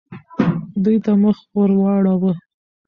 دوی ته مخ ورواړوه.